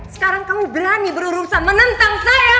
sekarang kamu berani berurusan menentang saya